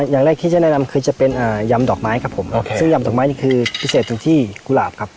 อย่างแรกที่จะแนะนำคือจะเป็นยำดอกไม้ครับผมซึ่งยำดอกไม้นี่คือพิเศษตรงที่กุหลาบครับ